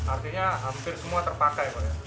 artinya hampir semua terpakai pak ya